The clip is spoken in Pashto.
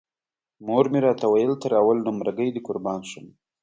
مور مې راته ویل تر اول نمره ګۍ دې قربان شم.